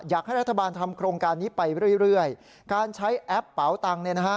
อยากให้รัฐบาลทำโครงการนี้ไปเรื่อยเรื่อยการใช้แอปเป๋าตังค์เนี่ยนะฮะ